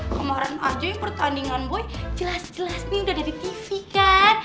kemaren aja yang pertandingan gue jelas jelas nih udah ada di tv kan